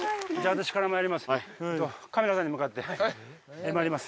私からまいります。